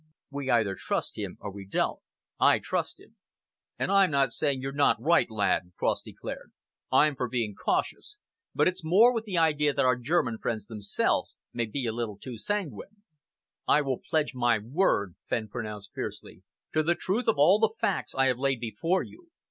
We either trust him, or we don't. I trust him." "And I'm not saying you're not right, lad." Cross declared. "I'm for being cautious, but it's more with the idea that our German friends themselves may be a little too sanguine." "I will pledge my word," Fenn pronounced fiercely, "to the truth of all the facts I have laid before you.